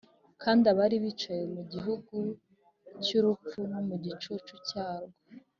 kandi abari bicaye mu gihugu cy’urupfu no mu gicucu cyarwo